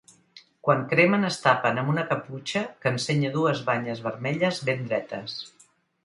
Quan cremen es tapen amb una caputxa que ensenya dues banyes vermelles ben dretes.